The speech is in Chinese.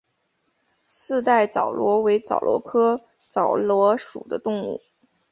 四带枣螺为枣螺科枣螺属的动物。